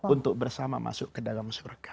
untuk bersama masuk ke dalam surga